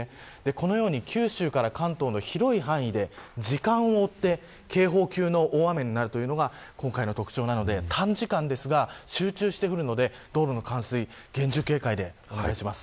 このように九州から関東の広い範囲で時間を追って警報級の大雨になるというのが今回の特徴なので、短時間ですが集中して降るので道路の冠水に厳重警戒でお願いします。